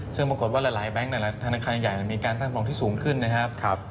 ซึ่งปรากฏว่าหลายแบงค์หลายธนาคารใหญ่มีการตั้งปองที่สูงขึ้นนะครับ